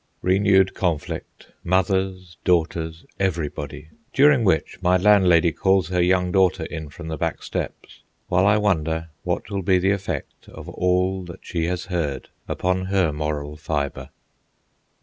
renewed conflict, mothers, daughters, everybody, during which my landlady calls her young daughter in from the back steps, while I wonder what will be the effect of all that she has heard upon her moral fibre.